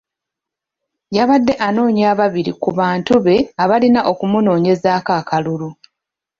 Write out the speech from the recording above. Yabadde anoonya ababiri ku bantu be abalina okumunoonyeza akalulu.